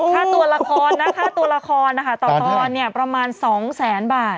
ค่าตัวละครนะคะค่าตัวละครต่อตอนนี้ประมาณ๒๐๐๐๐๐บาท